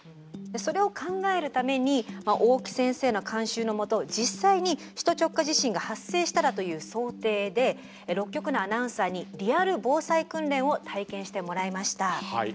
それを考えるために大木先生の監修のもと「実際に首都直下地震が発生したら」という想定で６局のアナウンサーに「リアル防災訓練」を体験してもらいました。